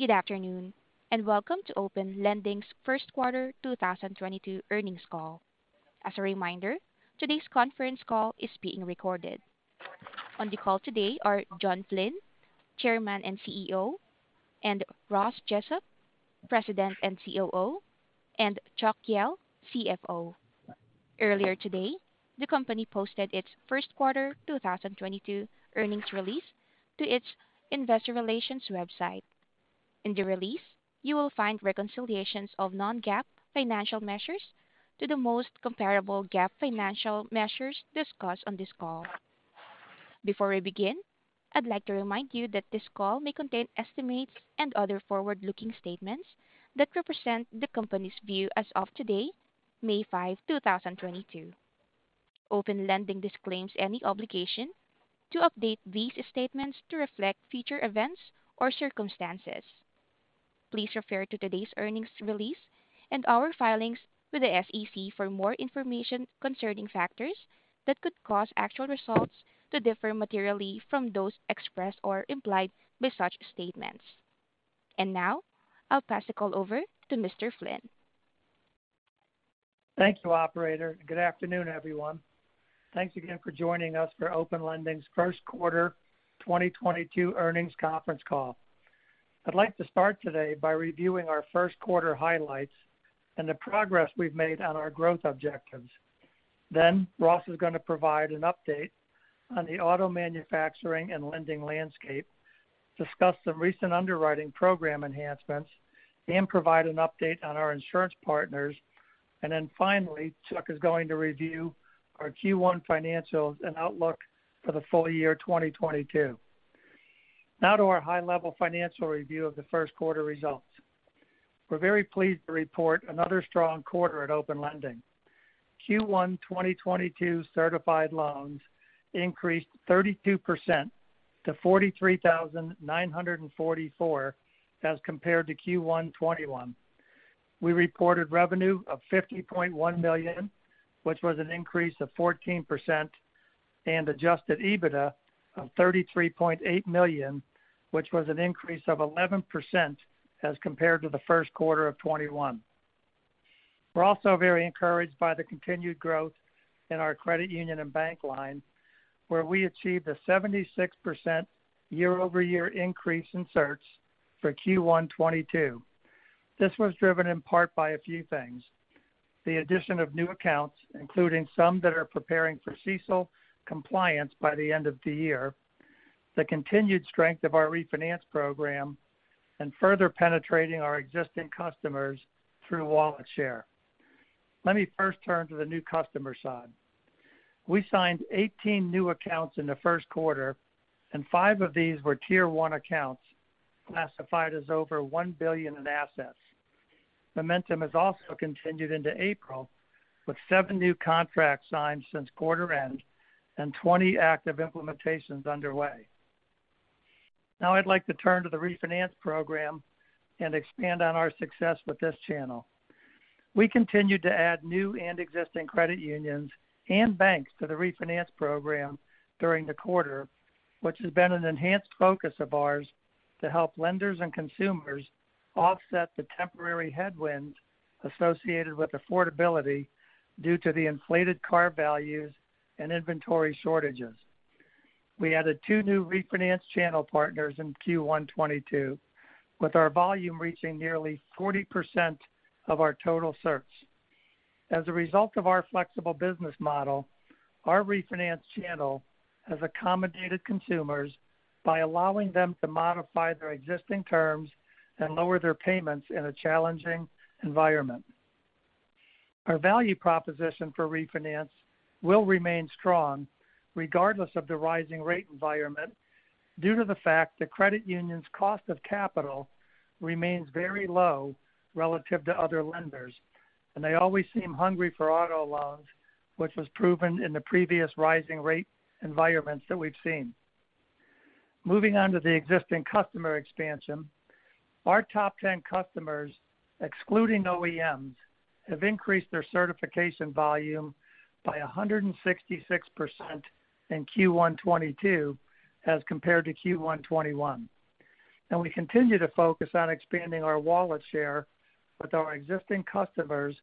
Good afternoon, and welcome to Open Lending's first quarter 2022 earnings call. As a reminder, today's conference call is being recorded. On the call today are John Flynn, Chairman and CEO, and Ross Jessup, President and COO, and Chuck Jehl, CFO. Earlier today, the company posted its first quarter 2022 earnings release to its investor relations website. In the release, you will find reconciliations of non-GAAP financial measures to the most comparable GAAP financial measures discussed on this call. Before we begin, I'd like to remind you that this call may contain estimates and other forward-looking statements that represent the company's view as of today, May 5, 2022. Open Lending disclaims any obligation to update these statements to reflect future events or circumstances. Please refer to today's earnings release and our filings with the SEC for more information concerning factors that could cause actual results to differ materially from those expressed or implied by such statements. Now, I'll pass the call over to Mr. Flynn. Thank you, operator. Good afternoon, everyone. Thanks again for joining us for Open Lending's first quarter 2022 earnings conference call. I'd like to start today by reviewing our first quarter highlights and the progress we've made on our growth objectives. Ross is gonna provide an update on the auto manufacturing and lending landscape, discuss some recent underwriting program enhancements, and provide an update on our insurance partners. Then finally, Chuck is going to review our Q1 financials and outlook for the full year 2022. Now to our high-level financial review of the first quarter results. We're very pleased to report another strong quarter at Open Lending. Q1 2022 certified loans increased 32% to 43,944 as compared to Q1 2021. We reported revenue of $50.1 million, which was an increase of 14%, and adjusted EBITDA of $33.8 million, which was an increase of 11% as compared to the first quarter of 2021. We're also very encouraged by the continued growth in our credit union and bank line, where we achieved a 76% year-over-year increase in certs for Q1 2022. This was driven in part by a few things. The addition of new accounts, including some that are preparing for CECL compliance by the end of the year, the continued strength of our refinance program, and further penetrating our existing customers through wallet share. Let me first turn to the new customer side. We signed 18 new accounts in the first quarter, and five of these were tier one accounts, classified as over $1 billion in assets. Momentum has also continued into April, with 7 new contracts signed since quarter end and 20 active implementations underway. Now I'd like to turn to the refinance program and expand on our success with this channel. We continued to add new and existing credit unions and banks to the refinance program during the quarter, which has been an enhanced focus of ours to help lenders and consumers offset the temporary headwind associated with affordability due to the inflated car values and inventory shortages. We added 2 new refinance channel partners in Q1 2022, with our volume reaching nearly 40% of our total certs. As a result of our flexible business model, our refinance channel has accommodated consumers by allowing them to modify their existing terms and lower their payments in a challenging environment. Our value proposition for refinance will remain strong regardless of the rising rate environment due to the fact that credit unions' cost of capital remains very low relative to other lenders, and they always seem hungry for auto loans, which was proven in the previous rising rate environments that we've seen. Moving on to the existing customer expansion. Our top ten customers, excluding OEMs, have increased their certification volume by 166% in Q1 2022 as compared to Q1 2021. We continue to focus on expanding our wallet share with our existing customers,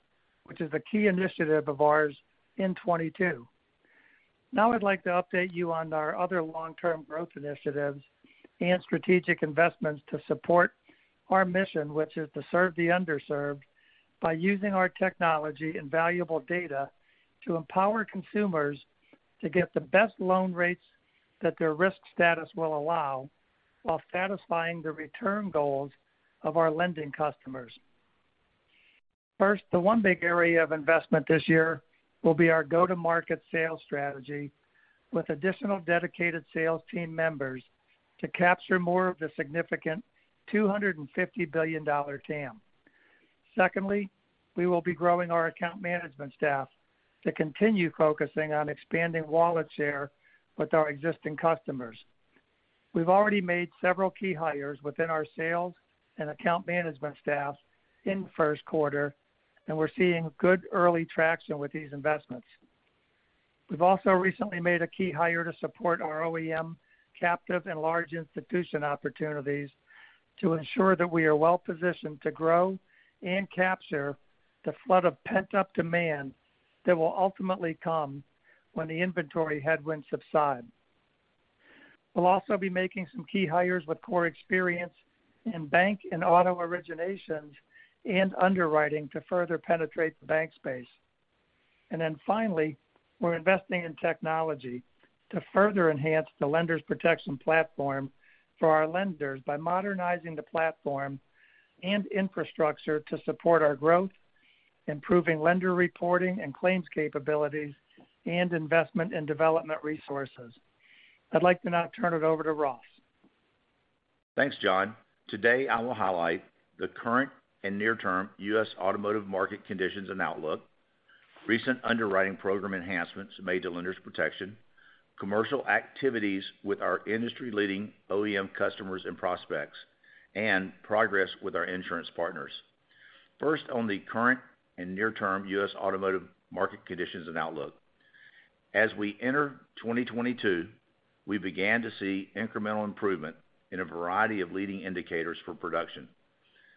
which is a key initiative of ours in 2022. Now I'd like to update you on our other long-term growth initiatives and strategic investments to support our mission, which is to serve the underserved by using our technology and valuable data to empower consumers to get the best loan rates that their risk status will allow while satisfying the return goals of our lending customers. First, the one big area of investment this year will be our go-to-market sales strategy with additional dedicated sales team members to capture more of the significant $250 billion TAM. Secondly, we will be growing our account management staff to continue focusing on expanding wallet share with our existing customers. We've already made several key hires within our sales and account management staff in first quarter, and we're seeing good early traction with these investments. We've also recently made a key hire to support our OEM captive and large institution opportunities to ensure that we are well-positioned to grow and capture the flood of pent-up demand that will ultimately come when the inventory headwinds subside. We'll also be making some key hires with core experience in bank and auto originations and underwriting to further penetrate the bank space. Finally, we're investing in technology to further enhance the Lenders Protection platform for our lenders by modernizing the platform and infrastructure to support our growth, improving lender reporting and claims capabilities, and investment in development resources. I'd like to now turn it over to Ross. Thanks, John. Today, I will highlight the current and near-term U.S. automotive market conditions and outlook, recent underwriting program enhancements made to Lenders Protection, commercial activities with our industry-leading OEM customers and prospects, and progress with our insurance partners. First, on the current and near-term U.S. automotive market conditions and outlook. As we enter 2022, we began to see incremental improvement in a variety of leading indicators for production.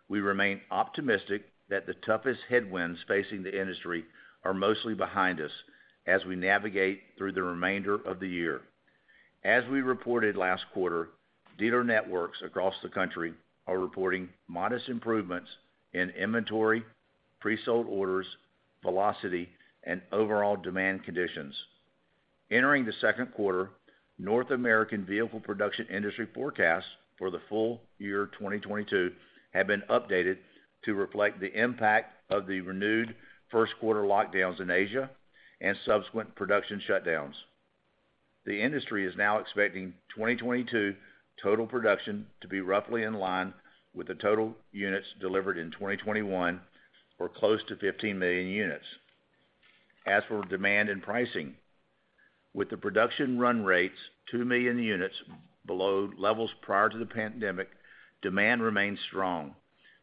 We remain optimistic that the toughest headwinds facing the industry are mostly behind us as we navigate through the remainder of the year. As we reported last quarter, dealer networks across the country are reporting modest improvements in inventory, pre-sold orders, velocity, and overall demand conditions. Entering the second quarter, North American vehicle production industry forecasts for the full year 2022 have been updated to reflect the impact of the renewed first quarter lockdowns in Asia and subsequent production shutdowns. The industry is now expecting 2022 total production to be roughly in line with the total units delivered in 2021 or close to 15 million units. As for demand and pricing, with the production run rates 2 million units below levels prior to the pandemic, demand remains strong.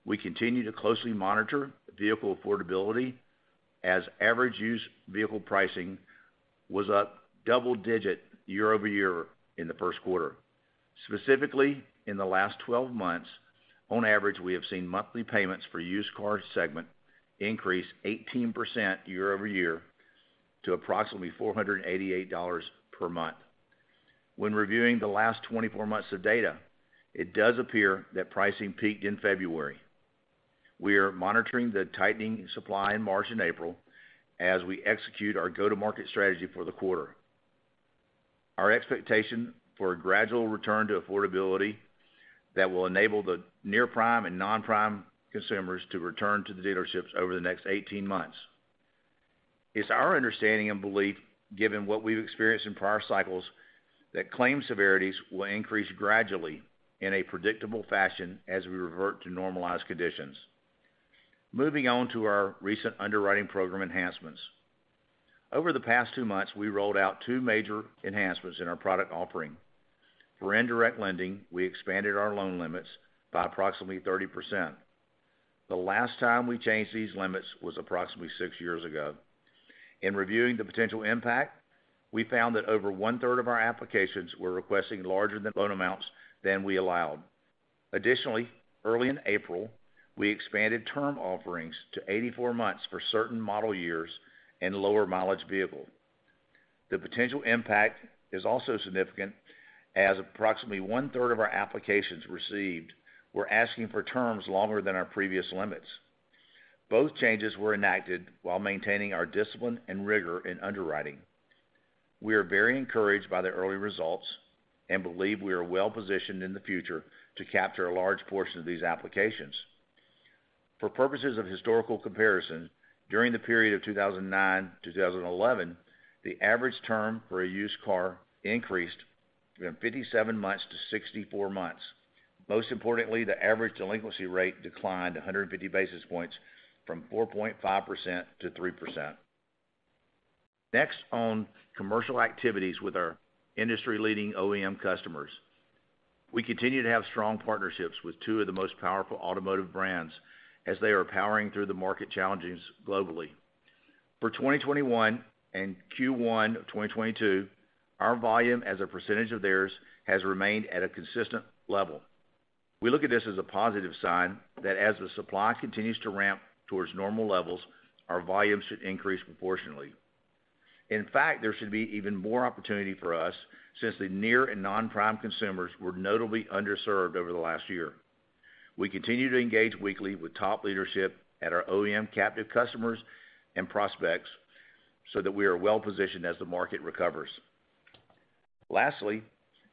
We continue to closely monitor vehicle affordability as average used vehicle pricing was up double-digit year-over-year in the first quarter. Specifically, in the last 12 months, on average, we have seen monthly payments for used car segment increase 18% year-over-year to approximately $488 per month. When reviewing the last 24 months of data, it does appear that pricing peaked in February. We are monitoring the tightening supply in March and April as we execute our go-to-market strategy for the quarter. Our expectation for a gradual return to affordability that will enable the near-prime and non-prime consumers to return to the dealerships over the next 18 months. It's our understanding and belief, given what we've experienced in prior cycles, that claim severities will increase gradually in a predictable fashion as we revert to normalized conditions. Moving on to our recent underwriting program enhancements. Over the past 2 months, we rolled out 2 major enhancements in our product offering. For indirect lending, we expanded our loan limits by approximately 30%. The last time we changed these limits was approximately 6 years ago. In reviewing the potential impact, we found that over 1/3 of our applications were requesting larger loan amounts than we allowed. Additionally, early in April, we expanded term offerings to 84 months for certain model years and lower mileage vehicles. The potential impact is also significant as approximately 1/3 of our applications received were asking for terms longer than our previous limits. Both changes were enacted while maintaining our discipline and rigor in underwriting. We are very encouraged by the early results and believe we are well-positioned in the future to capture a large portion of these applications. For purposes of historical comparison, during the period of 2009 to 2011, the average term for a used car increased from 57 months to 64 months. Most importantly, the average delinquency rate declined 150 basis points from 4.5% to 3%. Next on commercial activities with our industry-leading OEM customers. We continue to have strong partnerships with two of the most powerful automotive brands as they are powering through the market challenges globally. For 2021 and Q1 of 2022, our volume as a percentage of theirs has remained at a consistent level. We look at this as a positive sign that as the supply continues to ramp towards normal levels, our volume should increase proportionally. In fact, there should be even more opportunity for us since the near and non-prime consumers were notably underserved over the last year. We continue to engage weekly with top leadership at our OEM captive customers and prospects so that we are well-positioned as the market recovers. Lastly,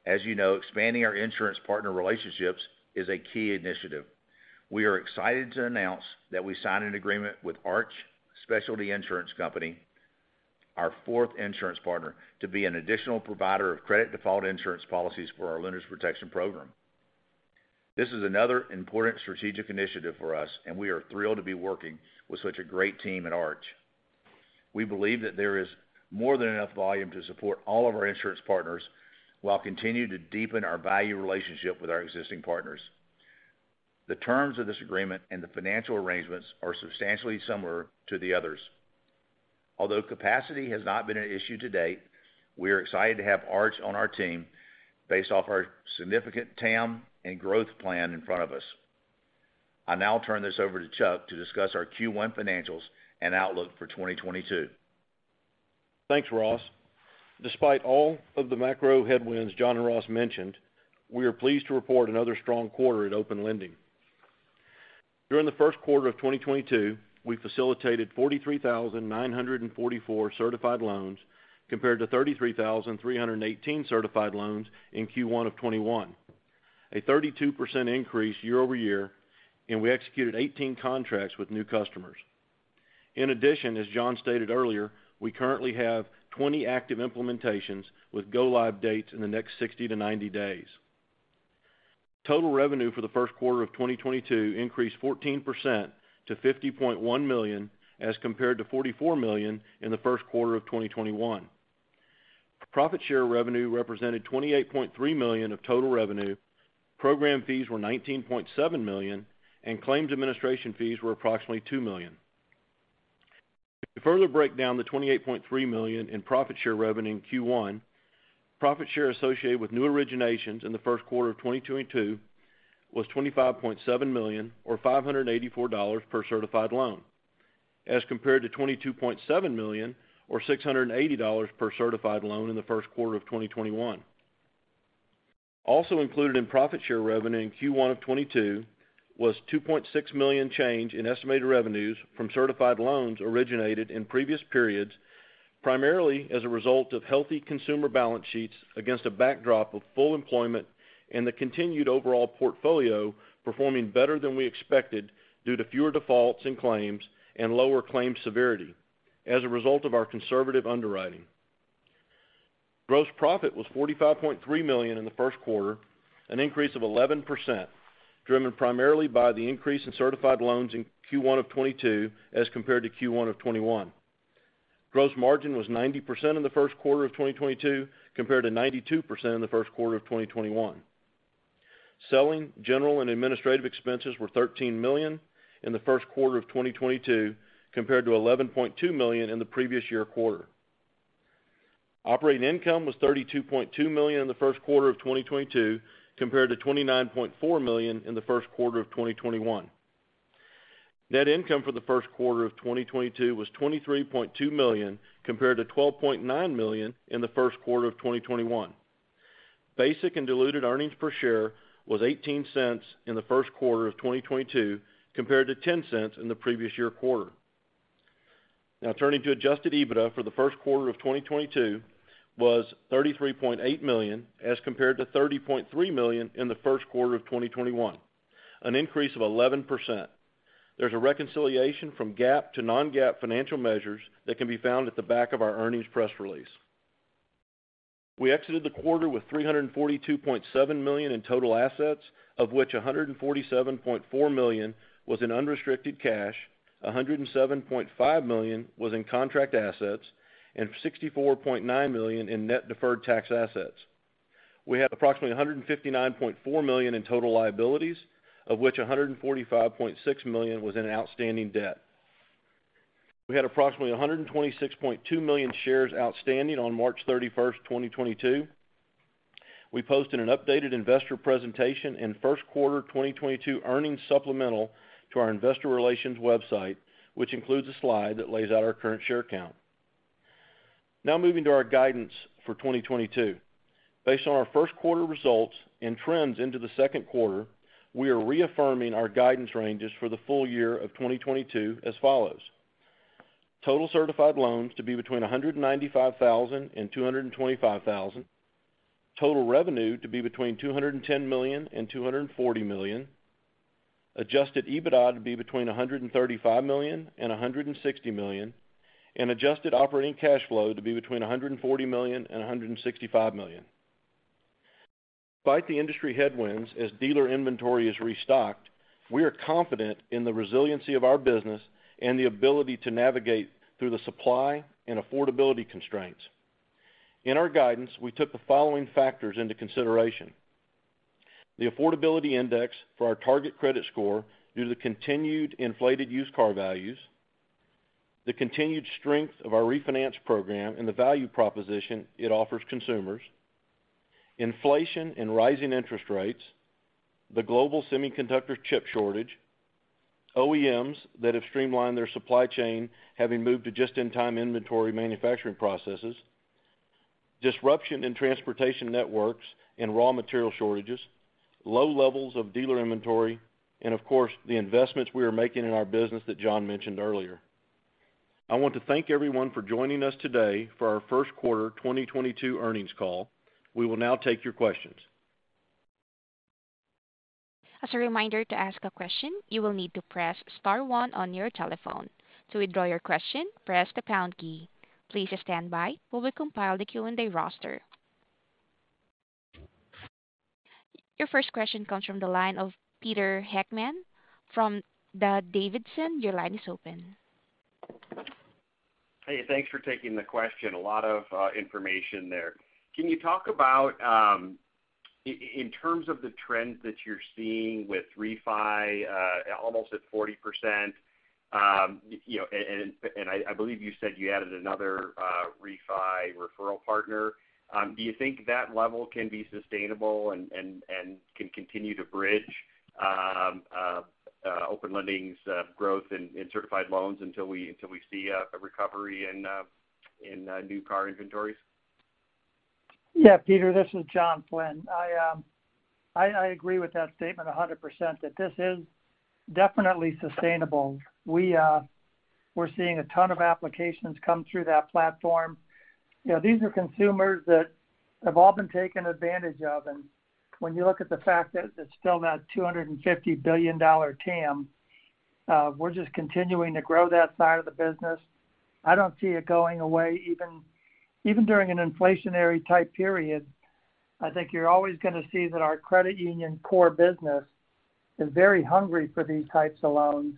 as you know, expanding our insurance partner relationships is a key initiative. We are excited to announce that we signed an agreement with Arch Specialty Insurance Company, our fourth insurance partner, to be an additional provider of credit default insurance policies for our Lenders Protection program. This is another important strategic initiative for us, and we are thrilled to be working with such a great team at Arch. We believe that there is more than enough volume to support all of our insurance partners while continuing to deepen our value relationship with our existing partners. The terms of this agreement and the financial arrangements are substantially similar to the others. Although capacity has not been an issue to date, we are excited to have Arch on our team based off our significant TAM and growth plan in front of us. I now turn this over to Chuck to discuss our Q1 financials and outlook for 2022. Thanks, Ross. Despite all of the macro headwinds John and Ross mentioned, we are pleased to report another strong quarter at Open Lending. During the first quarter of 2022, we facilitated 43,944 certified loans compared to 33,318 certified loans in Q1 of 2021. A 32% increase year-over-year, and we executed 18 contracts with new customers. In addition, as John stated earlier, we currently have 20 active implementations with go-live dates in the next 60-90 days. Total revenue for the first quarter of 2022 increased 14% to $50.1 million, as compared to $44 million in the first quarter of 2021. Profit share revenue represented $28.3 million of total revenue. Program fees were $19.7 million, and claims administration fees were approximately $2 million. To further break down the $28.3 million in profit share revenue in Q1, profit share associated with new originations in the first quarter of 2022 was $25.7 million or $584 per certified loan, as compared to $22.7 million or $680 per certified loan in the first quarter of 2021. Also included in profit share revenue in Q1 of 2022 was $2.6 million change in estimated revenues from certified loans originated in previous periods, primarily as a result of healthy consumer balance sheets against a backdrop of full employment and the continued overall portfolio performing better than we expected due to fewer defaults and claims and lower claim severity as a result of our conservative underwriting. Gross profit was $45.3 million in the first quarter, an increase of 11%, driven primarily by the increase in certified loans in Q1 of 2022 as compared to Q1 of 2021. Gross margin was 90% in the first quarter of 2022 compared to 92% in the first quarter of 2021. Selling, general, and administrative expenses were $13 million in the first quarter of 2022 compared to $11.2 million in the previous year quarter. Operating income was $32.2 million in the first quarter of 2022 compared to $29.4 million in the first quarter of 2021. Net income for the first quarter of 2022 was $23.2 million, compared to $12.9 million in the first quarter of 2021. Basic and diluted earnings per share was $0.18 in the first quarter of 2022 compared to $0.10 in the previous year quarter. Now turning to adjusted EBITDA for the first quarter of 2022 was $33.8 million, as compared to $30.3 million in the first quarter of 2021. An increase of 11%. There's a reconciliation from GAAP to non-GAAP financial measures that can be found at the back of our earnings press release. We exited the quarter with $342.7 million in total assets, of which $147.4 million was in unrestricted cash, $107.5 million was in contract assets, and $64.9 million in net deferred tax assets. We had approximately $159.4 million in total liabilities, of which $145.6 million was in outstanding debt. We had approximately 126.2 million shares outstanding on March 31, 2022. We posted an updated investor presentation in first quarter 2022 earnings supplemental to our investor relations website, which includes a slide that lays out our current share count. Now moving to our guidance for 2022. Based on our first quarter results and trends into the second quarter, we are reaffirming our guidance ranges for the full year of 2022 as follows: Total certified loans to be between 195,000 and 225,000. Total revenue to be between $210 million and $240 million. Adjusted EBITDA to be between $135 million-$160 million. Adjusted operating cash flow to be between $140 million-$165 million. Despite the industry headwinds as dealer inventory is restocked, we are confident in the resiliency of our business and the ability to navigate through the supply and affordability constraints. In our guidance, we took the following factors into consideration. The affordability index for our target credit score due to the continued inflated used car values, the continued strength of our refinance program and the value proposition it offers consumers, inflation and rising interest rates, the global semiconductor chip shortage, OEMs that have streamlined their supply chain, having moved to just-in-time inventory manufacturing processes, disruption in transportation networks and raw material shortages, low levels of dealer inventory, and of course, the investments we are making in our business that John mentioned earlier. I want to thank everyone for joining us today for our first quarter 2022 earnings call. We will now take your questions. As a reminder, to ask a question, you will need to press star one on your telephone. To withdraw your question, press the pound key. Please stand by while we compile the Q&A roster. Your first question comes from the line of Peter Heckmann from D.A. Davidson. Your line is open. Hey, thanks for taking the question. A lot of information there. Can you talk about in terms of the trends that you're seeing with refi almost at 40%, you know, and I believe you said you added another refi referral partner. Do you think that level can be sustainable and can continue to bridge Open Lending's growth in certified loans until we see a recovery in new car inventories? Yeah, Peter, this is John Flynn. I agree with that statement 100%, that this is definitely sustainable. We're seeing a ton of applications come through that platform. You know, these are consumers that have all been taken advantage of. When you look at the fact that it's still that $250 billion TAM, we're just continuing to grow that side of the business. I don't see it going away, even during an inflationary type period. I think you're always gonna see that our credit union core business is very hungry for these types of loans.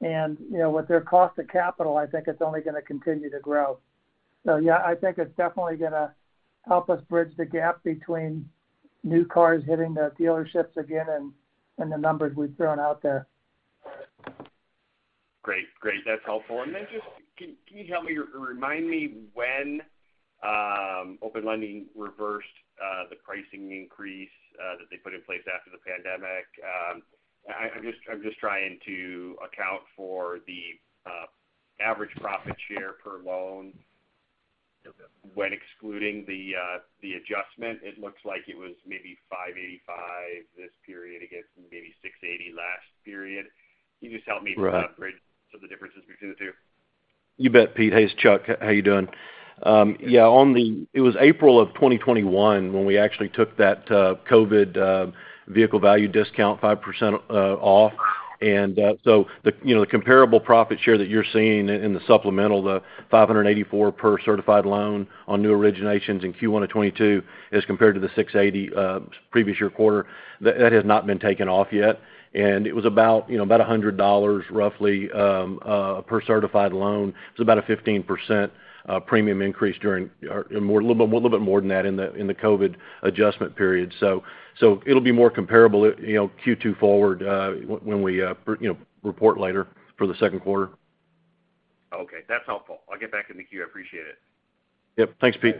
You know, with their cost of capital, I think it's only gonna continue to grow. Yeah, I think it's definitely gonna help us bridge the gap between new cars hitting the dealerships again and the numbers we've thrown out there. Great. That's helpful. Then just, can you help me or remind me when Open Lending reversed the pricing increase that they put in place after the pandemic? I'm just trying to account for the average profit share per loan when excluding the adjustment. It looks like it was maybe $585 this period against maybe $680 last period. Can you just help me bridge some of the differences between the two? You bet, Peter. Hey, it's Chuck. How you doing? It was April of 2021 when we actually took that COVID vehicle value discount 5% off. So the comparable profit share that you're seeing in the supplemental, $584 per certified loan on new originations in Q1 of 2022 as compared to the $680 previous year quarter, that has not been taken off yet. It was about, you know, about $100 roughly per certified loan. It's about a 15% premium increase during. Or more, a little bit more than that in the COVID adjustment period. It'll be more comparable, you know, Q2 forward, when we, you know, report later for the second quarter. Okay, that's helpful. I'll get back in the queue. I appreciate it. Yep. Thanks, Pete.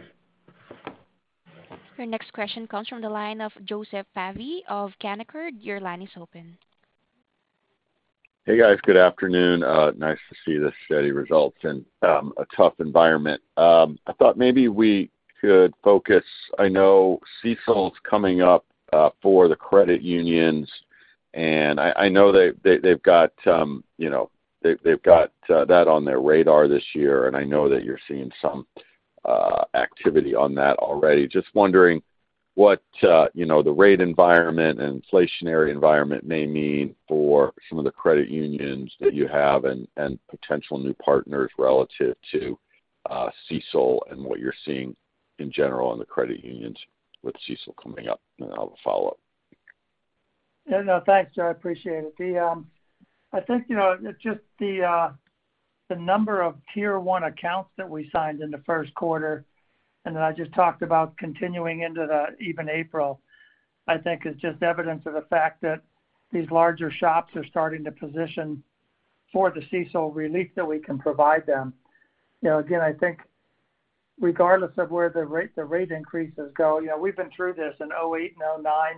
Your next question comes from the line of Joseph Vafi of Canaccord Genuity. Your line is open. Hey, guys. Good afternoon. Nice to see the steady results in a tough environment. I thought maybe we could focus. I know CECL's coming up for the credit unions, and I know they've got, you know, that on their radar this year, and I know that you're seeing some activity on that already. Just wondering what, you know, the rate environment and inflationary environment may mean for some of the credit unions that you have and potential new partners relative to CECL and what you're seeing in general in the credit unions with CECL coming up. I'll follow up. Yeah, no. Thanks, Joe. I appreciate it. The, I think, you know, just the number of tier one accounts that we signed in the first quarter, and then I just talked about continuing even into April, I think is just evidence of the fact that these larger shops are starting to position for the CECL relief that we can provide them. You know, again, I think regardless of where the rate increases go, you know, we've been through this in 2008 and 2009,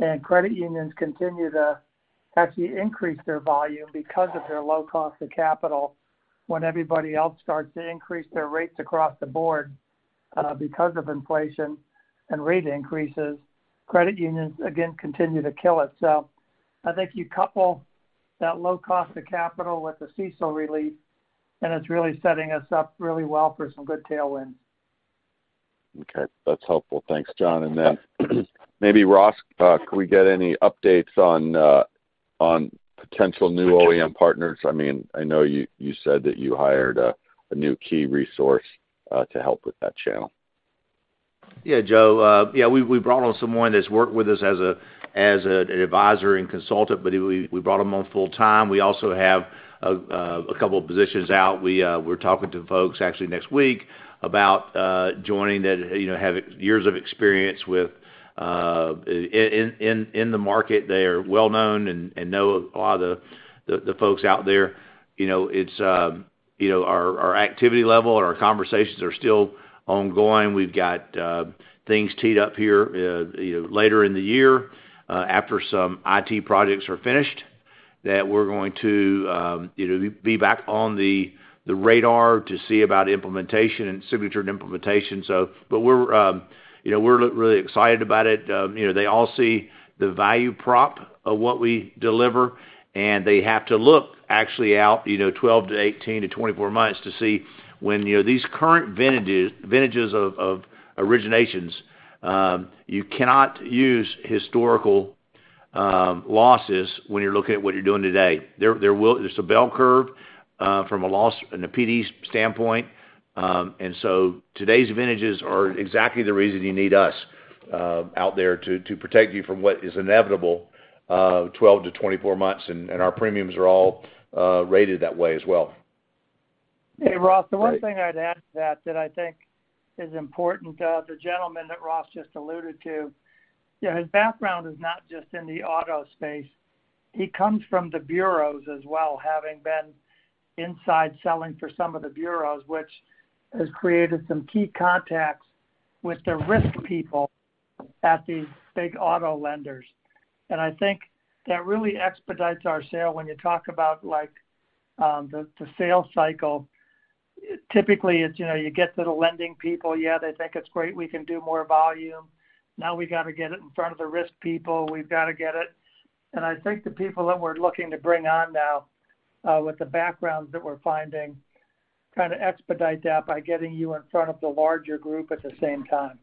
and credit unions continue to actually increase their volume because of their low cost of capital. When everybody else starts to increase their rates across the board, because of inflation and rate increases, credit unions again continue to kill it. I think you couple that low cost of capital with the CECL relief, and it's really setting us up really well for some good tailwind. Okay. That's helpful. Thanks, John. Maybe Ross, can we get any updates on potential new OEM partners? I mean, I know you said that you hired a new key resource to help with that channel. Yeah, Joe. Yeah, we brought on someone that's worked with us as an advisor and consultant, but we brought him on full time. We also have a couple of positions out. We're talking to folks actually next week about joining that, you know, have years of experience with in the market. They are well-known and know a lot of the folks out there. You know, it's you know, our activity level and our conversations are still ongoing. We've got things teed up here, you know, later in the year, after some IT projects are finished, that we're going to, you know, be back on the radar to see about implementation and signature and implementation. But we're, you know, we're really excited about it. You know, they all see the value prop of what we deliver, and they have to look actually out, you know, 12 to 18 to 24 months to see when, you know, these current vintages of originations. You cannot use historical losses when you're looking at what you're doing today. There's a bell curve from a loss in a PD standpoint, and so today's vintages are exactly the reason you need us out there to protect you from what is inevitable 12-24 months, and our premiums are all rated that way as well. Hey, Ross- Hey. The one thing I'd add to that that I think is important, the gentleman that Ross just alluded to, you know, his background is not just in the auto space. He comes from the bureaus as well, having been inside selling for some of the bureaus, which has created some key contacts with the risk people at these big auto lenders. I think that really expedites our sales when you talk about, like, the sales cycle. Typically, it's, you know, you get to the lending people, yeah, they think it's great, we can do more volume. Now we've gotta get it in front of the risk people. We've gotta get it. I think the people that we're looking to bring on now, with the backgrounds that we're finding, kind of expedite that by getting you in front of the larger group at the same time.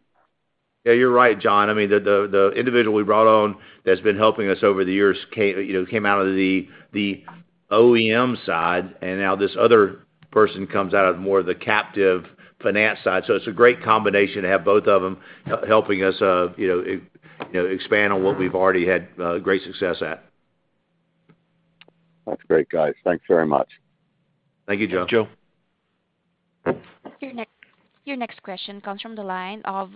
Yeah, you're right, John. I mean, the individual we brought on that's been helping us over the years you know, came out of the OEM side, and now this other person comes out of more of the captive finance side. It's a great combination to have both of them helping us, you know, expand on what we've already had great success at. That's great, guys. Thanks very much. Thank you, Joe. Joe. Your next question comes from the line of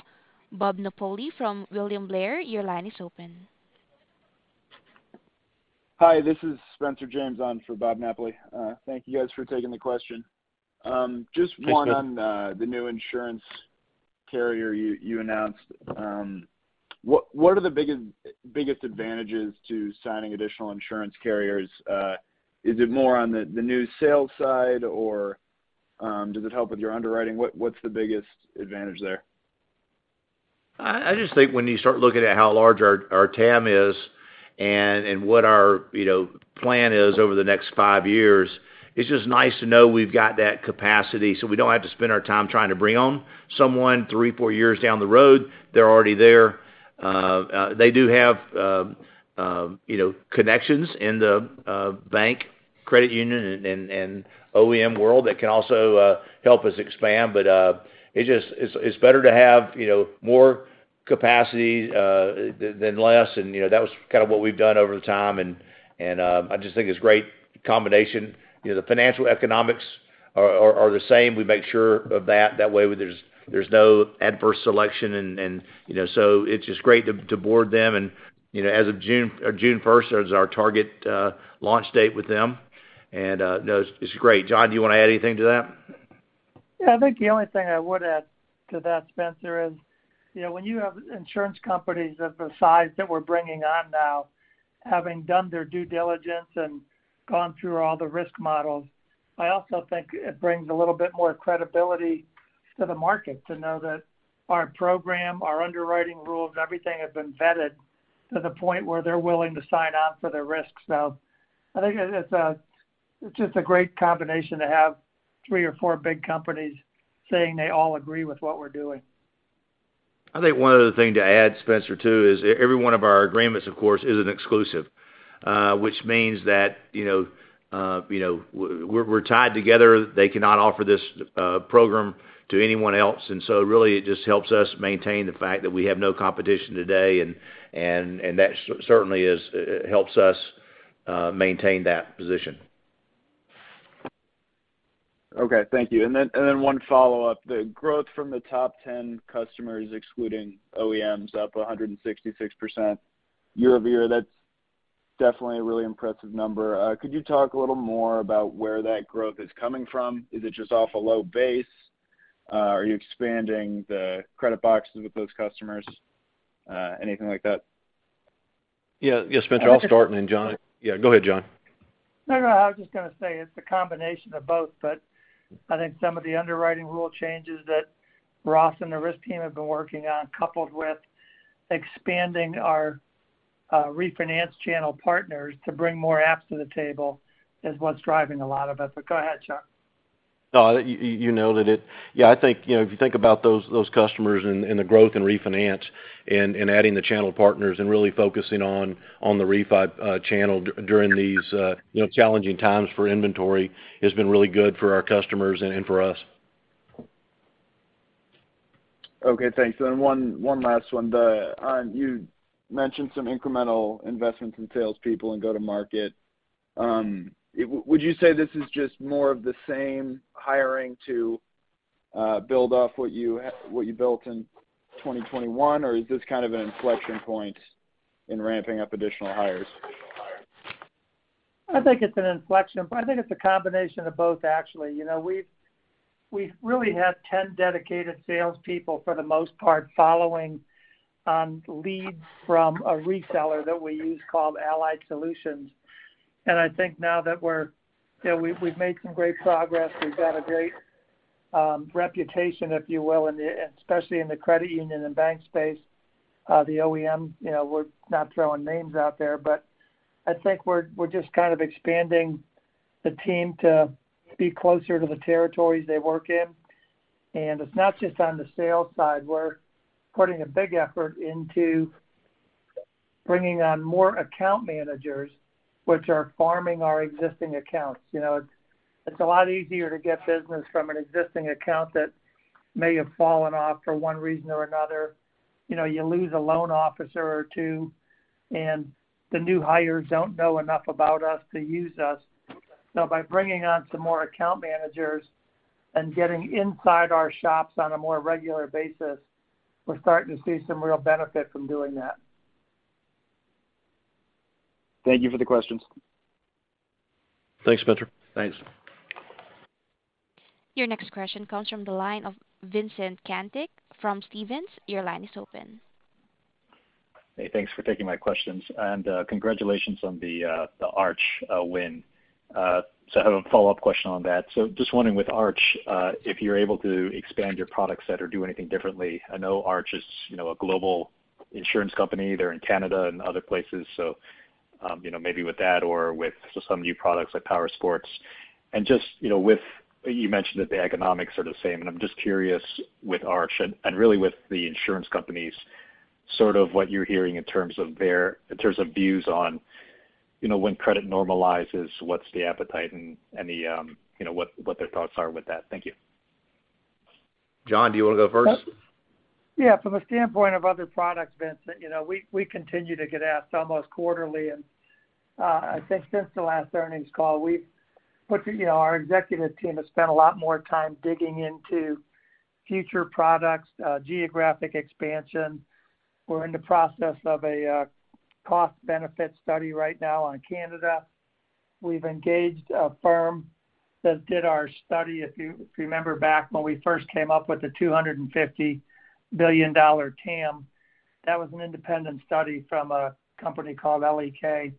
Bob Napoli from William Blair. Your line is open. Hi, this is Spencer James on for Bob Napoli. Thank you guys for taking the question. Just one- Thanks, Spencer. On the new insurance carrier you announced. What are the biggest advantages to signing additional insurance carriers? Is it more on the new sales side, or does it help with your underwriting? What's the biggest advantage there? I just think when you start looking at how large our TAM is and what our plan is over the next 5 years, it's just nice to know we've got that capacity so we don't have to spend our time trying to bring on someone 3, 4 years down the road. They're already there. They do have, you know, connections in the bank, credit union, and OEM world that can also help us expand. It's better to have, you know, more capacity than less. You know, that was kind of what we've done over the time. I just think it's a great combination. You know, the financial economics are the same. We make sure of that. That way there's no adverse selection and, you know. It's just great to board them. You know, as of June first, that was our target launch date with them. No, it's great. John, do you want to add anything to that? Yeah, I think the only thing I would add to that, Spencer, is, you know, when you have insurance companies of the size that we're bringing on now, having done their due diligence and gone through all the risk models, I also think it brings a little bit more credibility to the market to know that our program, our underwriting rules, and everything have been vetted to the point where they're willing to sign on for the risks. I think it's just a great combination to have three or four big companies saying they all agree with what we're doing. I think one other thing to add, Spencer, too, is every one of our agreements, of course, is an exclusive. Which means that, you know, you know, we're tied together. They cannot offer this program to anyone else. Really, it just helps us maintain the fact that we have no competition today and that certainly is it helps us maintain that position. Okay. Thank you. One follow-up. The growth from the top 10 customers, excluding OEMs, up 166% year-over-year, that's definitely a really impressive number. Could you talk a little more about where that growth is coming from? Is it just off a low base? Are you expanding the credit boxes with those customers? Anything like that? Yeah, yeah, Spencer. I'll start, and then John. Yeah, go ahead, John. No, no, I was just gonna say it's a combination of both, but I think some of the underwriting rule changes that Ross and the risk team have been working on, coupled with expanding our refinance channel partners to bring more apps to the table is what's driving a lot of it. Go ahead, Chuck. No, you noted it. Yeah, I think, you know, if you think about those customers and the growth in refinance and adding the channel partners and really focusing on the refi channel during these, you know, challenging times for inventory has been really good for our customers and for us. Okay, thanks. One last one. You mentioned some incremental investments in salespeople and go-to-market. Would you say this is just more of the same hiring to build off what you built in 2021, or is this kind of an inflection point in ramping up additional hires? I think it's an inflection, but I think it's a combination of both actually. You know, we've really had 10 dedicated salespeople for the most part, following leads from a reseller that we use called Allied Solutions. I think now that we're you know, we've made some great progress. We've got a great reputation, if you will, especially in the credit union and bank space, the OEM, you know, we're not throwing names out there. I think we're just kind of expanding the team to be closer to the territories they work in. It's not just on the sales side. We're putting a big effort into bringing on more account managers which are farming our existing accounts. You know, it's a lot easier to get business from an existing account that may have fallen off for one reason or another. You know, you lose a loan officer or two, and the new hires don't know enough about us to use us. By bringing on some more account managers and getting inside our shops on a more regular basis, we're starting to see some real benefit from doing that. Thank you for the questions. Thanks, Spencer. Thanks. Your next question comes from the line of Vincent Caintic from Stephens. Your line is open. Hey, thanks for taking my questions. Congratulations on the Arch win. I have a follow-up question on that. Just wondering with Arch if you're able to expand your product set or do anything differently. I know Arch is, you know, a global insurance company. They're in Canada and other places. You know, maybe with that or with some new products like Powersports. Just, you know, you mentioned that the economics are the same, and I'm just curious with Arch and really with the insurance companies, sort of what you're hearing in terms of their views on, you know, when credit normalizes, what's the appetite and the, you know, what their thoughts are with that. Thank you. John, do you wanna go first? Yeah. From the standpoint of other products, Vincent, you know, we continue to get asked almost quarterly, and I think since the last earnings call, you know, our executive team has spent a lot more time digging into future products, geographic expansion. We're in the process of a cost-benefit study right now on Canada. We've engaged a firm that did our study, if you remember back when we first came up with the $250 billion TAM. That was an independent study from a company called L.E.K.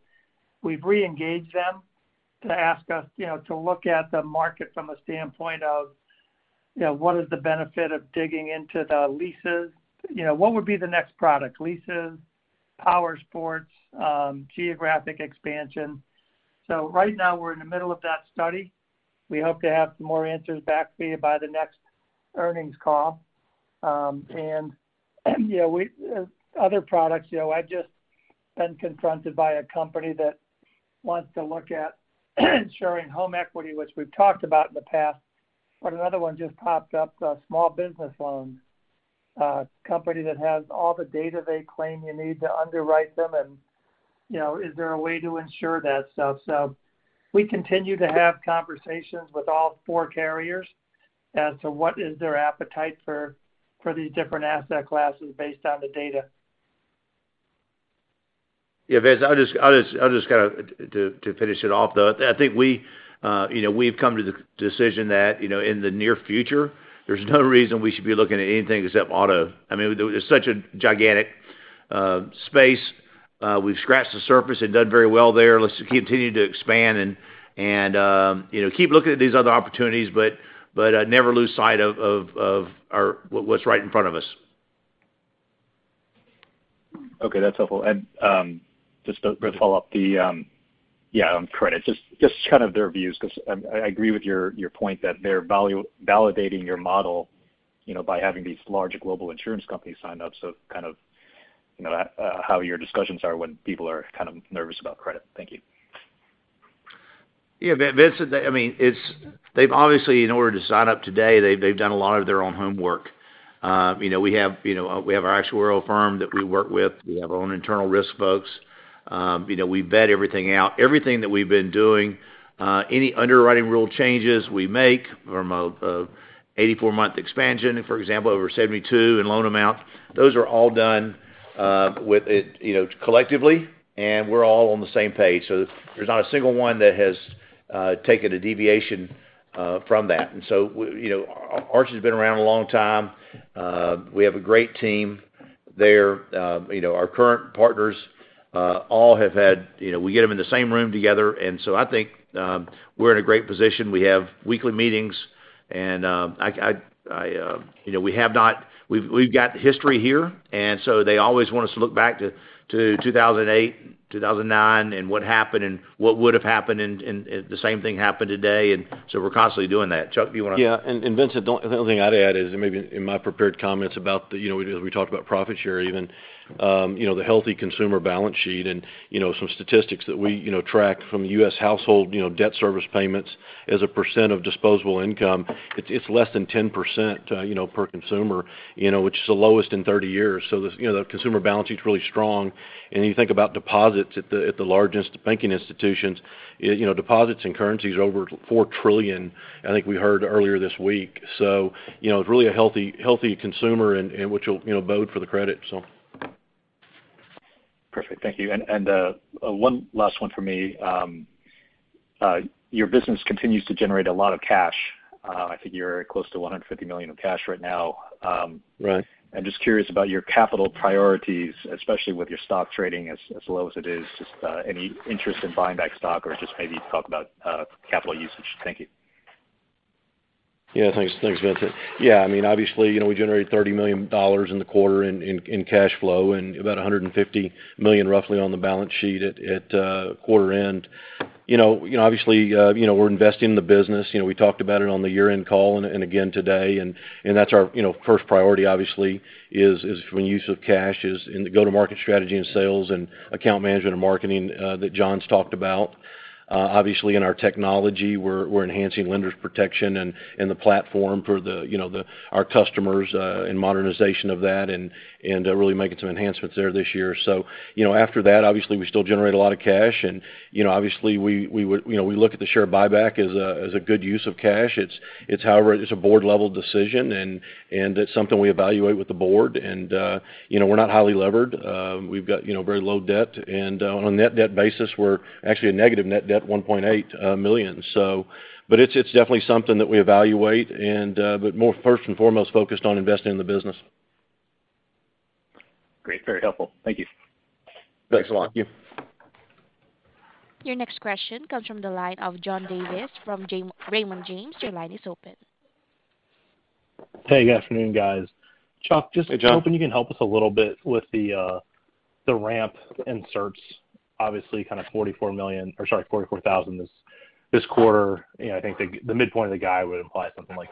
We've reengaged them to ask us, you know, to look at the market from a standpoint of, you know, what is the benefit of digging into the leases. You know, what would be the next product. Leases, Powersports, geographic expansion. Right now, we're in the middle of that study. We hope to have some more answers back for you by the next earnings call. You know, other products, you know, I've just been confronted by a company that wants to look at insuring home equity, which we've talked about in the past, but another one just popped up, a small business loan, a company that has all the data they claim you need to underwrite them and, you know, is there a way to insure that stuff? We continue to have conversations with all four carriers as to what is their appetite for these different asset classes based on the data. Yeah, Vincent, I'll just kind of to finish it off, though. I think we, you know, we've come to the decision that, you know, in the near future, there's no reason we should be looking at anything except auto. I mean, there's such a gigantic space. We've scratched the surface and done very well there. Let's continue to expand and, you know, keep looking at these other opportunities, but never lose sight of what's right in front of us. Okay, that's helpful. Just to follow up on credit. Just kind of their views, 'cause I agree with your point that they're value-validating your model, you know, by having these large global insurance companies signed up. Kind of, you know, how your discussions are when people are kind of nervous about credit. Thank you. Yeah, Vincent, I mean, it's. They've obviously, in order to sign up today, they've done a lot of their own homework. You know, we have our actuarial firm that we work with. We have our own internal risk folks. You know, we vet everything out. Everything that we've been doing, any underwriting rule changes we make from an 84-month expansion, for example, over 72 in loan amount, those are all done with it, you know, collectively, and we're all on the same page. There's not a single one that has taken a deviation from that. You know, Arch has been around a long time. We have a great team there. You know, our current partners all have had. You know, we get them in the same room together, and so I think we're in a great position. We have weekly meetings, and you know, we've got history here, and so they always want us to look back to 2008, 2009, and what happened and what would have happened and if the same thing happened today. We're constantly doing that. Chuck, do you wanna... Yeah. Vincent, the only thing I'd add is maybe in my prepared comments about the, you know, we talked about profit share even, you know, the healthy consumer balance sheet and, you know, some statistics that we, you know, track from U.S. household, you know, debt service payments as a percent of disposable income. It's less than 10%, you know, per consumer, you know, which is the lowest in 30 years. The, you know, the consumer balance sheet's really strong. You think about deposits at the largest banking institutions, you know, deposits in currencies are over $4 trillion, I think we heard earlier this week. You know, it's really a healthy consumer and which will, you know, bode for the credit, so. Perfect. Thank you. One last one for me. Your business continues to generate a lot of cash. I think you're close to $150 million in cash right now. Right. I'm just curious about your capital priorities, especially with your stock trading as low as it is. Just, any interest in buying back stock or just maybe talk about, capital usage. Thank you. Yeah. Thanks. Thanks, Vincent. Yeah, I mean, obviously, you know, we generated $30 million in the quarter in cash flow and about $150 million roughly on the balance sheet at quarter end. You know, obviously, you know, we're investing in the business. You know, we talked about it on the year-end call and again today, and that's our, you know, first priority, obviously, is when use of cash is in the go-to-market strategy and sales and account management and marketing that John's talked about. Obviously, in our technology, we're enhancing Lenders Protection and the platform for our customers, and modernization of that and really making some enhancements there this year. You know, after that, obviously, we still generate a lot of cash, and, you know, obviously we would. You know, we look at the share buyback as a good use of cash. It's a board-level decision, and it's something we evaluate with the board. You know, we're not highly levered. We've got, you know, very low debt, and on a net debt basis, we're actually a negative net debt of $1.8 million. It's definitely something that we evaluate and, but more first and foremost focused on investing in the business. Great. Very helpful. Thank you. Thanks a lot. Thank you. Your next question comes from the line of John Davis from Raymond James. Your line is open. Hey, good afternoon, guys. Hey, John. Chuck, just hoping you can help us a little bit with the ramp in certs, obviously kind of 44 million, or sorry, 44,000 this quarter. You know, I think the midpoint of the guide would imply something like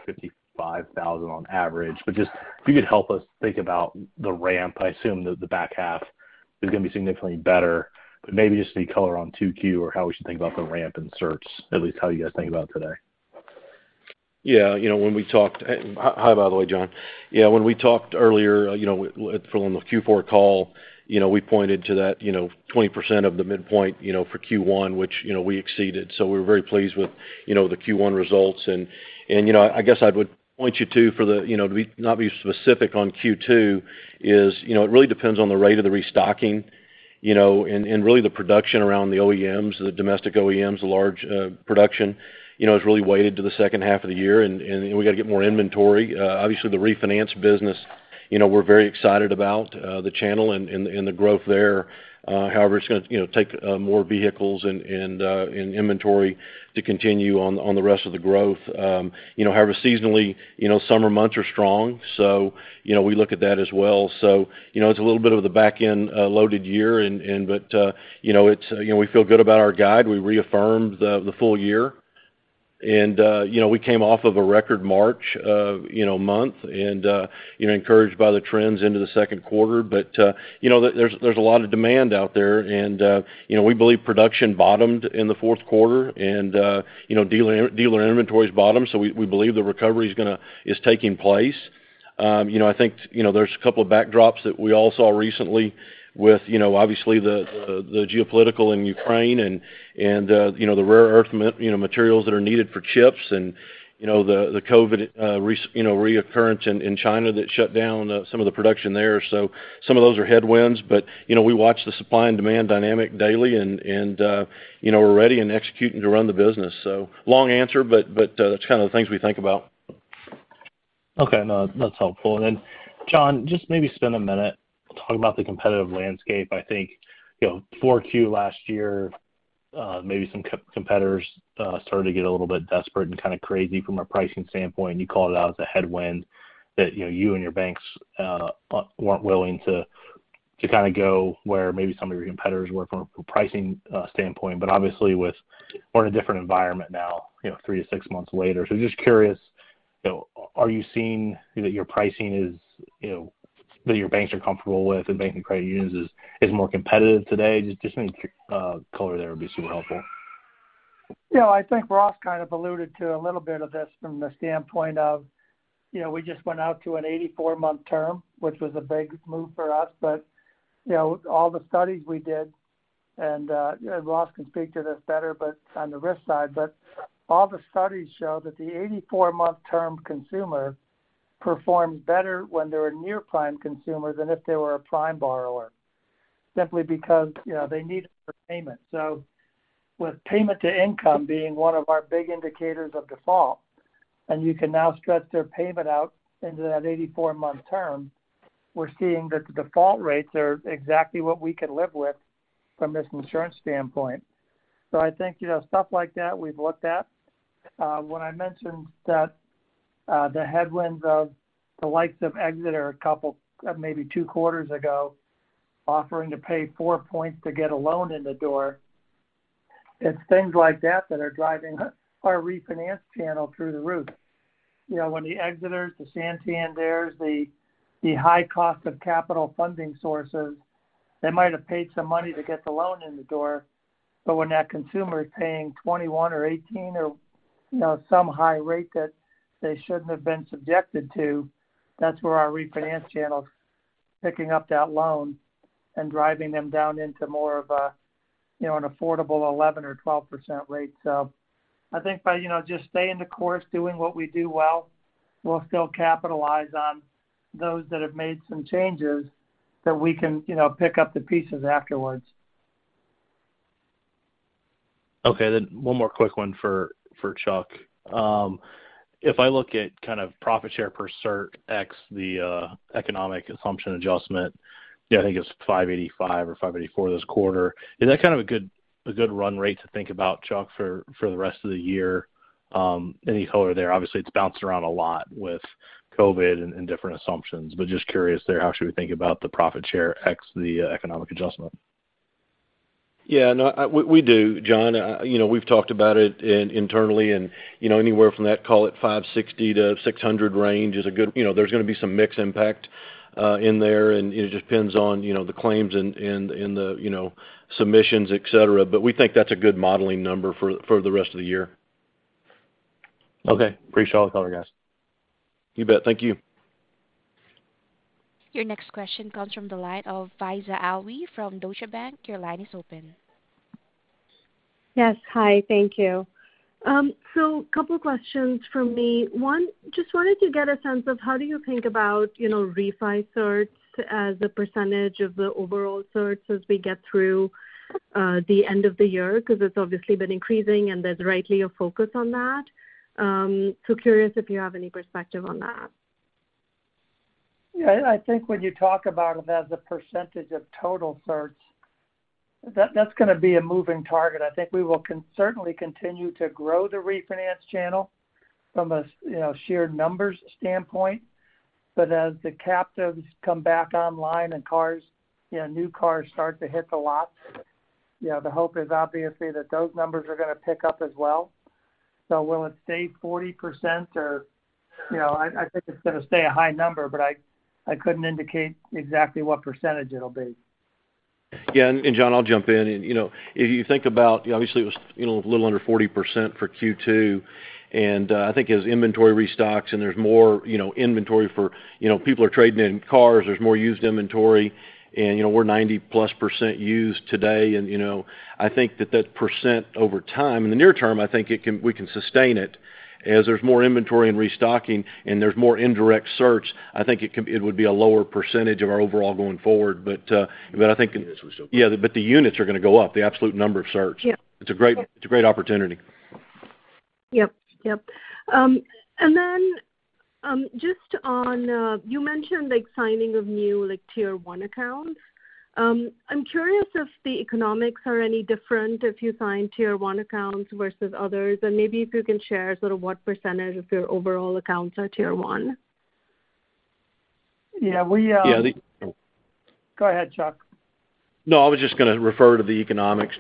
55,000 on average. Just if you could help us think about the ramp. I assume that the back half is gonna be significantly better. Maybe just any color on 2Q or how we should think about the ramp in certs, at least how you guys think about today. Hi, by the way, John. Yeah, when we talked earlier, you know, from the Q4 call. You know, we pointed to that, you know, 20% of the midpoint, you know, for Q1, which, you know, we exceeded. We're very pleased with, you know, the Q1 results. I guess I would point you to, you know, not to be specific on Q2, you know, it really depends on the rate of the restocking, you know, and really the production around the OEMs, the domestic OEMs. The large production, you know, is really weighted to the second half of the year. We got to get more inventory. Obviously the refinance business, you know, we're very excited about the channel and the growth there. However, it's gonna, you know, take more vehicles and inventory to continue on the rest of the growth. You know, however, seasonally, you know, summer months are strong, so you know, we look at that as well. You know, it's a little bit of the back-end loaded year, but you know, we feel good about our guide. We reaffirmed the full year. You know, we came off of a record March month and you know, encouraged by the trends into the second quarter. You know, there's a lot of demand out there. You know, we believe production bottomed in the fourth quarter and you know, dealer inventories bottomed. We believe the recovery is taking place. You know, I think, you know, there's a couple of backdrops that we all saw recently with, you know, obviously the geopolitical in Ukraine and, you know, the rare earth materials that are needed for chips and, you know, the COVID reoccurrence in China that shut down some of the production there. Some of those are headwinds. You know, we watch the supply and demand dynamic daily and, you know, we're ready and executing to run the business. Long answer, but that's kind of the things we think about. Okay. No, that's helpful. John, just maybe spend a minute talking about the competitive landscape. I think, you know, 4Q last year, maybe some competitors started to get a little bit desperate and kind of crazy from a pricing standpoint. You called it out as a headwind that, you know, you and your banks weren't willing to kind of go where maybe some of your competitors were from pricing standpoint. Obviously, with. We're in a different environment now, you know, 3-6 months later. Just curious, you know, are you seeing that your pricing is, you know, that your banks are comfortable with and banks and credit unions is more competitive today? Just any color there would be super helpful. You know, I think Ross kind of alluded to a little bit of this from the standpoint of, you know, we just went out to an 84-month term, which was a big move for us. You know, all the studies we did, and, you know, Ross can speak to this better, but on the risk side. All the studies show that the 84-month term consumer performed better when they were near-prime consumers than if they were a prime borrower, simply because, you know, their need for payment. With payment to income being one of our big indicators of default, and you can now stretch their payment out into that 84-month term, we're seeing that the default rates are exactly what we can live with from this insurance standpoint. I think, you know, stuff like that we've looked at. When I mentioned that, the headwinds of the likes of Exeter a couple, maybe two quarters ago, offering to pay 4 points to get a loan in the door, it's things like that that are driving our refinance channel through the roof. You know, when the Exeters, the Santander, the high cost of capital funding sources, they might have paid some money to get the loan in the door. When that consumer is paying 21 or 18 or, you know, some high rate that they shouldn't have been subjected to, that's where our refinance channel's picking up that loan and driving them down into more of a, you know, an affordable 11 or 12% rate. I think by, you know, just staying the course, doing what we do well, we'll still capitalize on those that have made some changes, that we can, you know, pick up the pieces afterwards. Okay, one more quick one for Chuck. If I look at kind of profit share per cert x, the economic assumption adjustment, yeah, I think it's $585 or $584 this quarter. Is that kind of a good run rate to think about, Chuck, for the rest of the year? Any color there? Obviously, it's bounced around a lot with COVID and different assumptions, but just curious there, how should we think about the profit share ex the economic adjustment? Yeah, no, we do, John. You know, we've talked about it internally and, you know, anywhere from that, call it $560-$600 range is a good. You know, there's gonna be some mix impact in there, and it just depends on, you know, the claims and the submissions, et cetera. But we think that's a good modeling number for the rest of the year. Okay. Appreciate all the color, guys. You bet. Thank you. Your next question comes from the line of Faiza Alwy from Deutsche Bank. Your line is open. Yes. Hi, thank you. Couple questions from me. One, just wanted to get a sense of how do you think about, you know, refi certs as a percentage of the overall certs as we get through the end of the year? 'Cause it's obviously been increasing, and there's rightly a focus on that. Curious if you have any perspective on that. Yeah. I think when you talk about it as a percentage of total certs, that's gonna be a moving target. I think we will certainly continue to grow the refinance channel from a, you know, sheer numbers standpoint. As the captives come back online and cars, you know, new cars start to hit the lot, you know, the hope is obviously that those numbers are gonna pick up as well. Will it stay 40% or. You know, I think it's gonna stay a high number, but I couldn't indicate exactly what percentage it'll be. John, I'll jump in. You know, if you think about, you know, obviously it was, you know, a little under 40% for Q2, and I think as inventory restocks and there's more, you know, inventory. You know, people are trading in cars, there's more used inventory and, you know, we're 90%+ used today. You know, I think that percent over time, in the near term, I think we can sustain it. As there's more inventory and restocking and there's more indirect search, I think it would be a lower percentage of our overall going forward. But I think units will still grow. But the units are gonna go up, the absolute number of searches. Yeah. It's a great opportunity. Just on, you mentioned like signing of new like tier one accounts. I'm curious if the economics are any different if you sign tier one accounts versus others, and maybe if you can share sort of what percentage of your overall accounts are tier one. Yeah, we Yeah. Go ahead, Chuck. No, I was just gonna refer to the economics.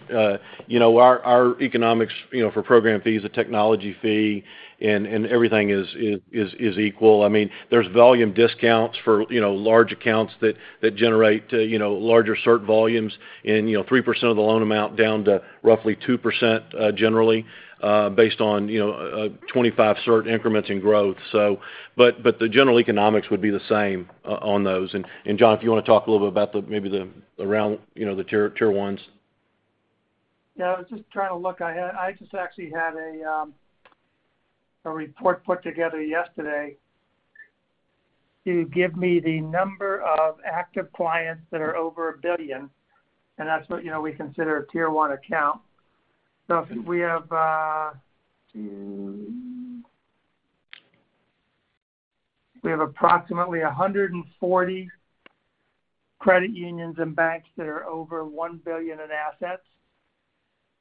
You know, our economics, you know, for program fees, the technology fee and everything is equal. I mean, there's volume discounts for, you know, large accounts that generate, you know, larger cert volumes and, you know, 3% of the loan amount down to roughly 2%, generally, based on, you know, 25 cert increments in growth. But the general economics would be the same on those. John, if you wanna talk a little bit about maybe around, you know, the tier ones. I was just trying to look. I just actually had a report put together yesterday to give me the number of active clients that are over $1 billion, and that's what, you know, we consider a tier one account. We have approximately 140 credit unions and banks that are over $1 billion in assets.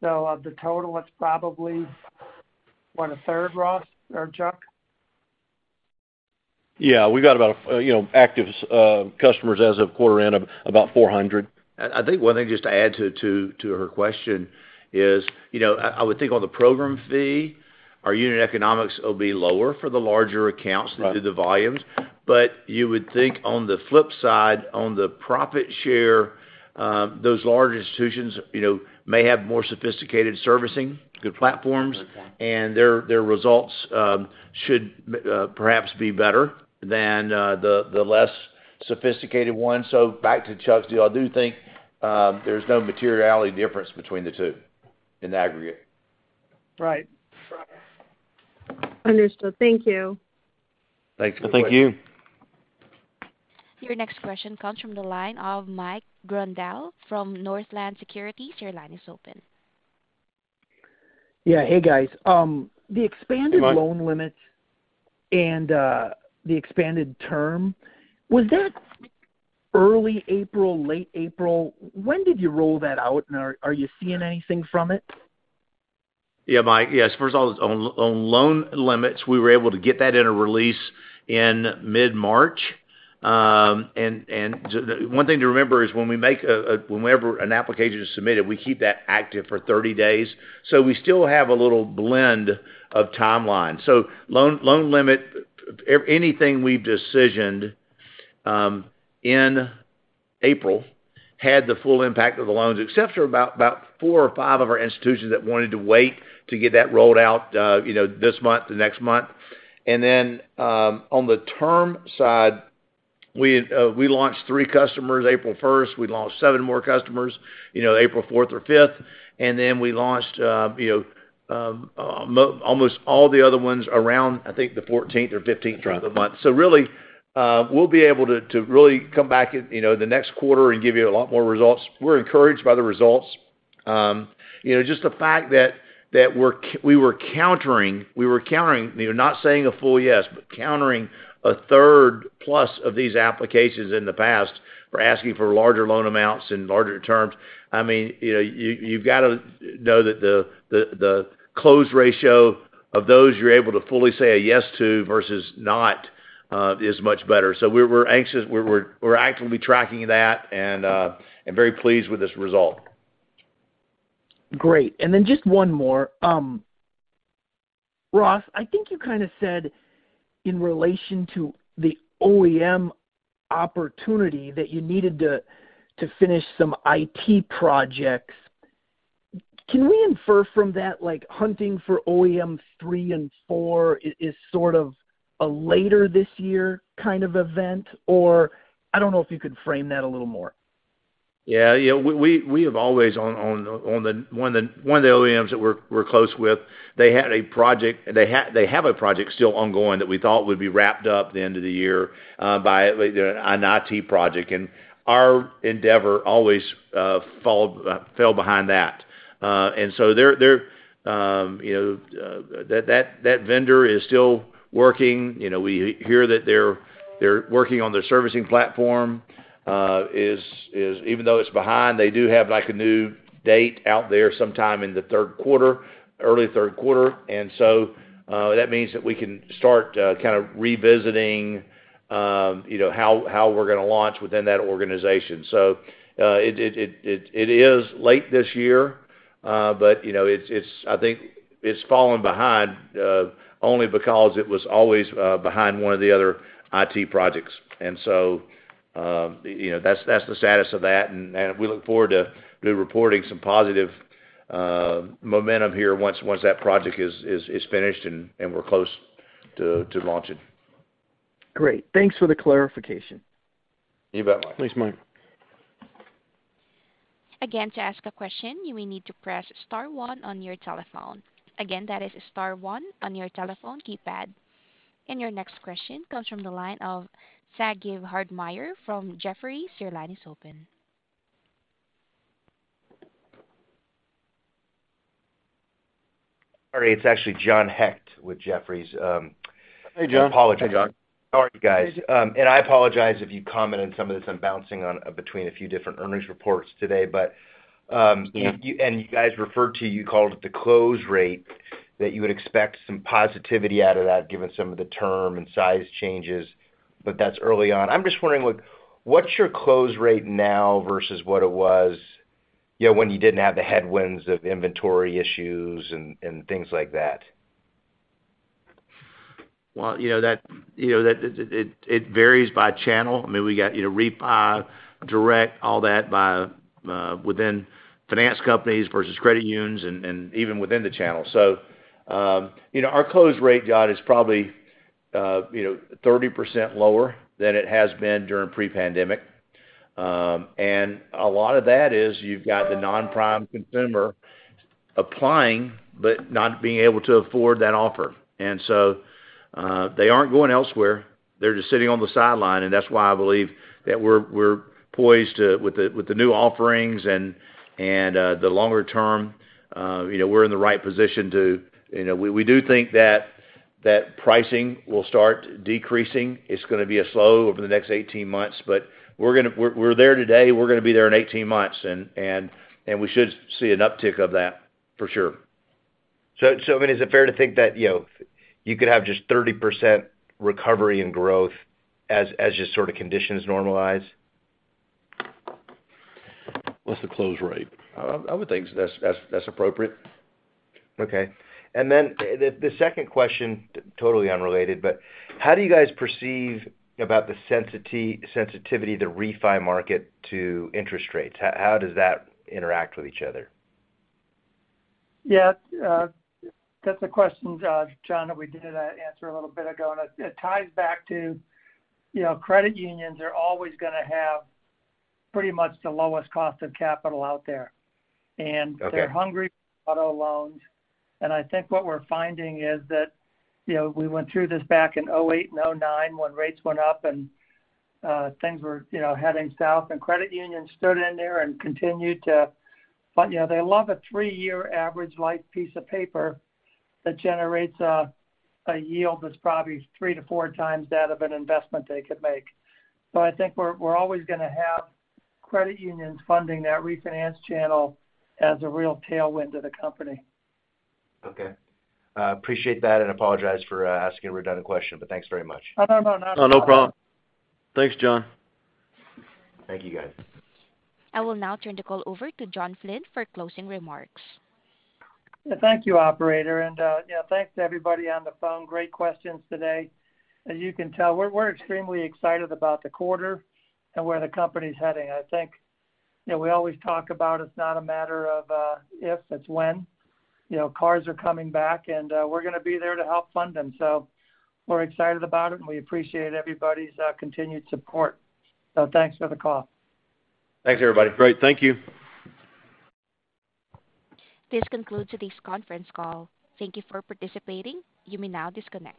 Of the total, it's probably 1/3, Ross or Chuck. Yeah. We've got about, you know, active customers as of quarter end of about 400. I think one thing just to add to her question is, you know, I would think on the program fee, our unit economics will be lower for the larger accounts. Right, due to the volumes. You would think on the flip side, on the profit share, those larger institutions, you know, may have more sophisticated servicing, good platforms. Exactly Their results should perhaps be better than the less sophisticated ones. Back to Chuck's deal, I do think there's no material difference between the two in aggregate. Right. Right. Understood. Thank you. Thanks. Thank you. Your next question comes from the line of Mike Grondahl from Northland Securities. Your line is open. Yeah. Hey, guys. Hi These loan limits and the expanded term, was that early April, late April? When did you roll that out? Are you seeing anything from it? Yeah, Mike. Yes, first on loan limits, we were able to get that in a release in mid-March. One thing to remember is when we make a--whenever an application is submitted, we keep that active for 30 days. So we still have a little blend of timeline. So loan limit, everything we've decisioned in April had the full impact of the loans, except for about 4 or 5 of our institutions that wanted to wait to get that rolled out, you know, this month to next month. On the term side, we launched 3 customers April 1, we launched 7 more customers, you know, April 4 or 5, and then we launched almost all the other ones around, I think, the 14th or 15th of the month. Really, we'll be able to really come back at, you know, the next quarter and give you a lot more results. We're encouraged by the results. You know, just the fact that we were countering, you know, not saying a full yes, but countering a third plus of these applications in the past, were asking for larger loan amounts and larger terms. I mean, you know, you've got to know that the close ratio of those you're able to fully say yes to versus not is much better. We're anxious. We're actually tracking that and very pleased with this result. Great. Just one more. Ross, I think you kind of said in relation to the OEM opportunity that you needed to finish some IT projects. Can we infer from that, like hunting for OEM 3 and 4 is sort of a later this year kind of event? Or I don't know if you could frame that a little more. Yeah. Yeah. We have always on the one of the OEMs that we're close with, they have a project still ongoing that we thought would be wrapped up the end of the year by an IT project. Our endeavor always fell behind that. They're you know that vendor is still working. You know, we hear that they're working on their servicing platform. Even though it's behind, they do have like a new date out there sometime in the third quarter, early third quarter. That means that we can start kind of revisiting you know how we're gonna launch within that organization. It is late this year, but you know, I think it's fallen behind only because it was always behind one of the other IT projects. We look forward to reporting some positive momentum here once that project is finished and we're close to launching. Great. Thanks for the clarification. You bet, Mike. Thanks, Mike. Again, to ask a question, you will need to press star one on your telephone. Again, that is star one on your telephone keypad. Your next question comes from the line of Sagiv Hartmayer from Jefferies. Your line is open. Sorry, it's actually John Hecht with Jefferies. Hey, John. Hey, John. How are you guys? I apologize if you commented some of this. I'm bouncing between a few different earnings reports today. You guys referred to. You called it the close rate that you would expect some positivity out of that given some of the term and size changes, but that's early on. I'm just wondering what's your close rate now versus what it was, you know, when you didn't have the headwinds of inventory issues and things like that? Well, you know that it varies by channel. I mean, we got you know refi direct all that by within finance companies versus credit unions and even within the channel. You know, our close rate, John, is probably you know 30% lower than it has been during pre-pandemic. A lot of that is you've got the non-prime consumer applying but not being able to afford that offer. They aren't going elsewhere. They're just sitting on the sidelines. That's why I believe that we're poised to with the new offerings and the longer term you know we're in the right position to. You know, we do think that pricing will start decreasing. It's gonna be a slow over the next 18 months, but we're there today. We're gonna be there in 18 months, and we should see an uptick of that for sure. I mean, is it fair to think that, you know, you could have just 30% recovery and growth as just sort of conditions normalize? What's the close rate? I would think that's appropriate. Okay. Then the second question, totally unrelated, but how do you guys perceive about the sensitivity of the refi market to interest rates? How does that interact with each other? Yeah. That's a question, John, that we did answer a little bit ago. It ties back to, you know, credit unions are always gonna have pretty much the lowest cost of capital out there. Okay. They're hungry for auto loans. I think what we're finding is that, you know, we went through this back in 2008 and 2009 when rates went up and things were, you know, heading south and credit unions stood in there and continued to. Yeah, they love a 3-year average life piece of paper that generates a yield that's probably 3-4 times that of an investment they could make. I think we're always gonna have credit unions funding that refinance channel as a real tailwind to the company. Okay. Appreciate that and apologize for asking a redundant question, but thanks very much. Oh, no, no. No, no problem. Thanks, John. Thank you, guys. I will now turn the call over to John Flynn for closing remarks. Thank you, operator. You know, thanks to everybody on the phone. Great questions today. As you can tell, we're extremely excited about the quarter and where the company's heading. I think, you know, we always talk about it's not a matter of if, it's when. You know, cars are coming back and we're gonna be there to help fund them. We're excited about it and we appreciate everybody's continued support. Thanks for the call. Thanks, everybody. Great. Thank you. This concludes today's conference call. Thank you for participating. You may now disconnect.